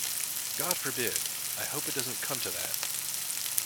God forbid! I hope it doesn't come to that.